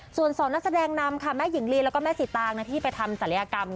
ส่วนสองนักแสดงนำค่ะแม่หญิงลีแล้วก็แม่สีตางที่ไปทำศัลยกรรม